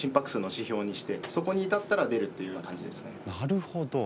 なるほど。